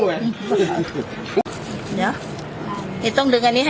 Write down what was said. มันจะเจ็บไง